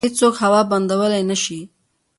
هیڅوک هوا بندولی نشي.